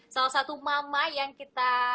salah satu mama yang kita